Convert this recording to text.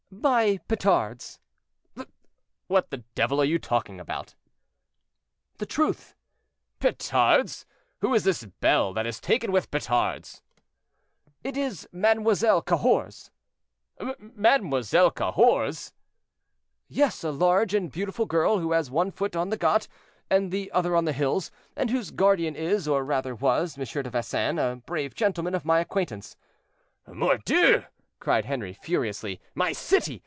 "By petards." "What the devil are you talking about?" "The truth." "Petards! Who is this belle that is taken with petards?" "It is Mademoiselle Cahors." "Mademoiselle Cahors!" "Yes, a large and beautiful girl, who has one foot on the Got, and the other on the hills, and whose guardian is, or rather was, M. de Vesin, a brave gentleman of my acquaintance." "Mordieu!" cried Henri, furiously, "my city!